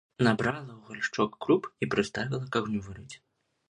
Набрала ў гаршчок круп і прыставіла к агню варыць.